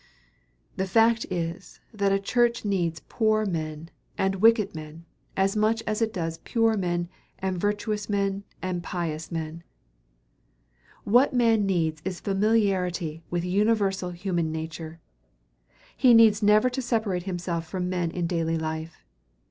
The fact is that a church needs poor men and wicked men as much as it does pure men and virtuous men and pious men. What man needs is familiarity with universal human nature. He needs never to separate himself from men in daily life.